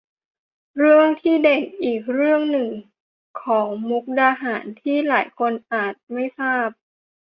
เรื่องที่เด่นอีกเรื่องหนึ่งของมุกดาหารที่หลายคนอาจไม่ทราบ